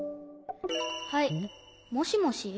はいもしもし？